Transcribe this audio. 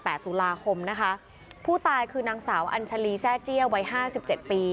ตุลาคมนะคะผู้ตายคือนางสาวอัญชาลีแซ่เจี้ยวัยห้าสิบเจ็ดปี